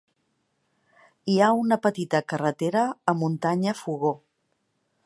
Hi ha una petita carretera a Muntanya Fogo.